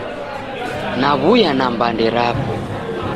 Naw'uya na mbande rapo